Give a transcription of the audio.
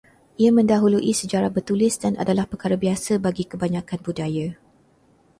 Ia mendahului sejarah bertulis dan adalah perkara biasa bagi kebanyakan budaya